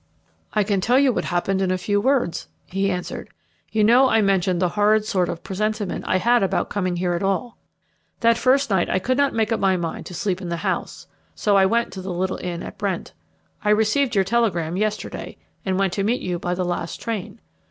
"I can tell you what happened in a few words," he answered. "You know I mentioned the horrid sort of presentiment I had about coming here at all. That first night I could not make up my mind to sleep in the house, so I went to the little inn at Brent. I received your telegram yesterday, and went to meet you by the last train.